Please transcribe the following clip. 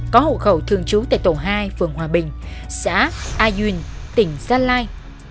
có hộ khẩu thường trú tại tổ hai phường hòa bình xã a yuen tỉnh gia lai